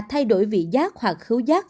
thay đổi vị giác hoặc khứu giác